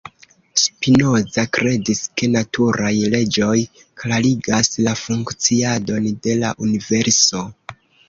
Spinoza kredis ke naturaj leĝoj klarigas la funkciadon de la universo.